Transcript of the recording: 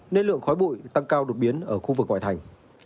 nên lượng khói bụi tăng cao đột biến ở khu vực ngoại thành